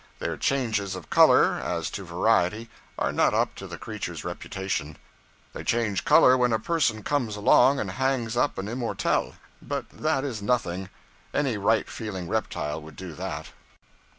Their changes of color as to variety are not up to the creature's reputation. They change color when a person comes along and hangs up an immortelle; but that is nothing: any right feeling reptile would do that.